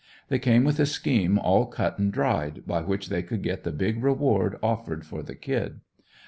They came with a scheme all cut and dried, by which they could get the big reward offered for the "Kid."